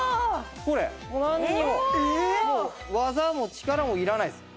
技も力もいらないです。